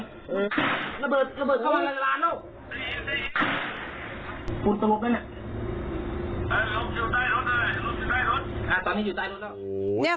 กลุ่มน้ำเบิร์ดเข้ามาร้านแล้ว